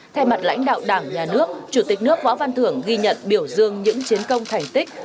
thay mặt lãnh đạo đảng nhà nước chủ tịch nước võ văn thưởng ghi nhận biểu dương những chiến công thành tích